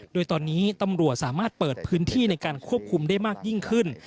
โดยตอนนี้ตำรวจสามารถเปิดพื้นที่ในการควบคุมได้มากยิ่งขึ้น